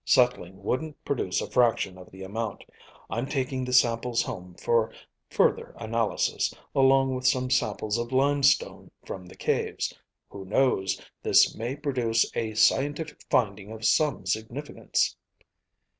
Settling wouldn't produce a fraction of the amount. I'm taking the samples home for further analysis, along with some samples of limestone from the caves. Who knows? This may produce a scientific finding of some significance."